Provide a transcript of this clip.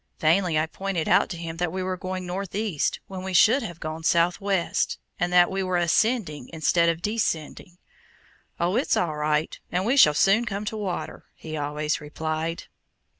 Vainly I pointed out to him that we were going north east when we should have gone south west, and that we were ascending instead of descending. "Oh, it's all right, and we shall soon come to water," he always replied.